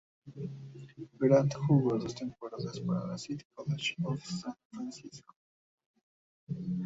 Grant jugó dos temporadas para la City College of San Francisco.